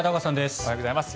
おはようございます。